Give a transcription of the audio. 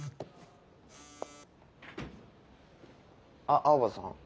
あっ青葉さん。